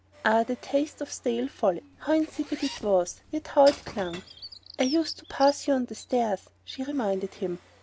Oh, the taste of stale follies! How insipid it was, yet how it clung! "I used to pass you on the stairs," she reminded him.